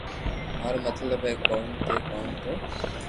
مارو مطلب ھي ڪوم تي جا تو